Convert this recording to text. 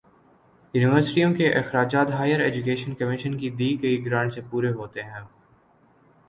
یونیورسٹیوں کے اخراجات ہائیر ایجوکیشن کمیشن کی دی گئی گرانٹ سے پورے ہوتے ہیں